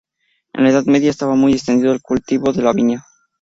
En la Edad Media estaba muy extendido el cultivo de la viña.